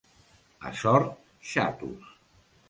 A Sort, xatos.